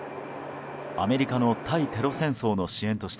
アメリカの対テロ戦争の支援として